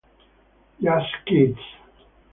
Just Kids